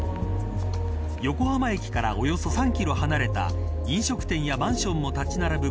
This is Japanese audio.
横浜駅からおよそ３キロ離れた飲食店やマンションも立ち並ぶ